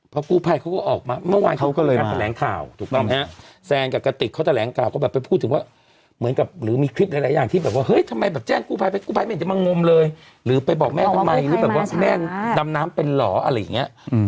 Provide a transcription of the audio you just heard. เพราะกู้ภัยเขาก็ออกมาเมื่อวานเขาก็เลยมาแถลงข่าวถูกต้องไหมฮะแซนกับกระติกเขาแถลงข่าวก็แบบไปพูดถึงว่าเหมือนกับหรือมีคลิปหลายอย่างที่แบบว่าเฮ้ยทำไมแบบแจ้งกู้ภัยไปกู้ภัยไม่เห็นจะมางมเลยหรือไปบอกแม่ทำไมหรือแบบว่าแม่ดำน้ำเป็นเหรออะไรอย่างเงี้ย